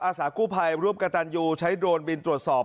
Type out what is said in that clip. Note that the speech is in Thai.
สากู้ภัยร่วมกับตันยูใช้โดรนบินตรวจสอบ